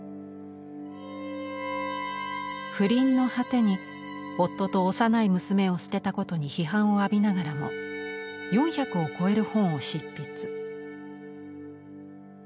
不倫の果てに夫と幼い娘を捨てたことに批判を浴びながらも４００を超える本を執筆。